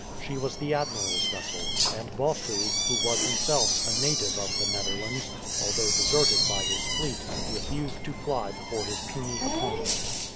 She was the admiral's vessel, and Bossu, who was himself a native of the Netherlands, although deserted by his fleet, refused to fly before his puny opponents.